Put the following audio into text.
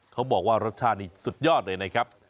เขาบอกว่ารสชาตินี่สุดยอดเลยนะครับ